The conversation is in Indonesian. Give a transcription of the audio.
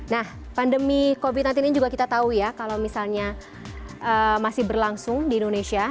nah pandemi covid sembilan belas ini juga kita tahu ya kalau misalnya masih berlangsung di indonesia